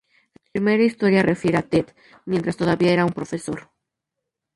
La primera historia refiere a Ted mientras todavía era un profesor.